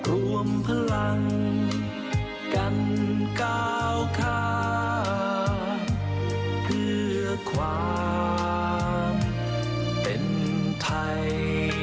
รวมพลังกันก้าวข้ามเพื่อความเป็นไทย